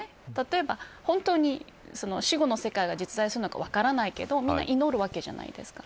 例えば、本当に死後の世界が実在するのか分からないけれどみんな祈るわけじゃないですか。